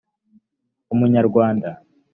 umunyarwanda